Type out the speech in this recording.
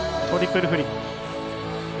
トリプルフリップ。